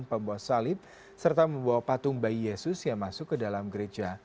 pembuat salib serta membawa patung bayi yesus yang masuk ke dalam gereja